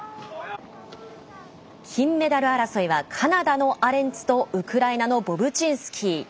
金メダル争いはカナダのアレンツとウクライナのボブチンスキー。